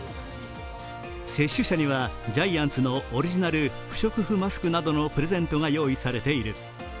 接種社にはジャイアンツのオリジナル不織布マスクなどのプレゼントが用意されている。